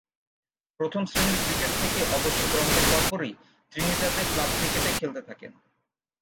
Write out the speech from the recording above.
প্রথম-শ্রেণীর ক্রিকেট থেকে অবসর গ্রহণের পরপরই ত্রিনিদাদে ক্লাব ক্রিকেটে খেলতে থাকেন।